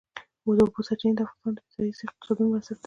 د اوبو سرچینې د افغانستان د ځایي اقتصادونو بنسټ دی.